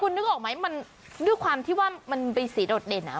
คุณนึกออกไหมมันด้วยความที่ว่ามันเป็นสีโดดเด่นอ่ะ